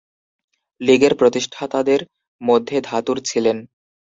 লীগের প্রতিষ্ঠাতাদের মধ্যে ধাতুর ছিলেন।